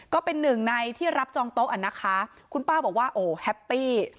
ก็เป็นหนึ่งในที่รับจองโต๊ะอ่ะนะคะคุณป้าบอกว่าโอ้แฮปปี้